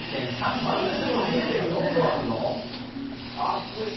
３２．４度あんの？